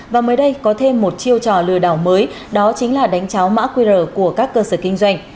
và mới đây có thêm một chiêu trò lừa đảo mới đó chính là đánh cháo mã qr của các cơ sở kinh doanh